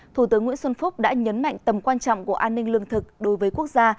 thủ tướng nguyễn xuân phúc đã nhấn mạnh tầm quan trọng của an ninh lương thực đối với quốc gia